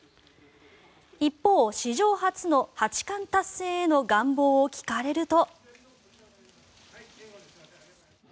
一方、史上初の八冠達成への願望を聞かれると。